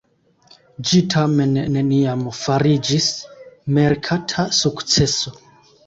Ĝi tamen neniam fariĝis merkata sukceso.